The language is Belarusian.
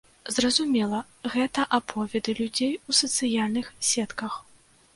Зразумела, гэта аповеды людзей у сацыяльных сетках.